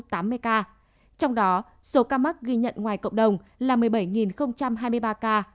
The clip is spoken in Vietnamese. trong đó số ca mắc ghi nhận ngoài cộng đồng là một mươi bảy hai mươi ba ca